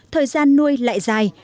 thời gian nuôi lại dài